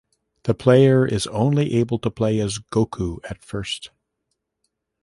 The player is only able to play as Goku at first.